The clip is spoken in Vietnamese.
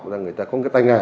để người ta có cái tay nghề